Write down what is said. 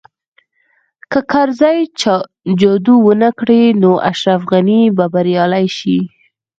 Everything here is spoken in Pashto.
که کرزی جادو ونه کړي نو اشرف غني به بریالی شي